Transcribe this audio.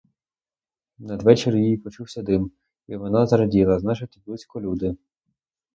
Надвечір їй почувся дим, і вона зраділа — значить, близько люди.